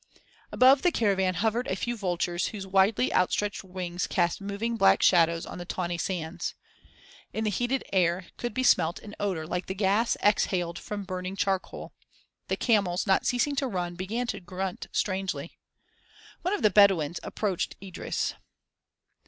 Above the caravan hovered a few vultures whose widely outstretched wings cast moving, black shadows on the tawny sands. In the heated air could be smelt an odor like the gas exhaled from burning charcoal. The camels, not ceasing to run, began to grunt strangely. One of the Bedouins approached Idris.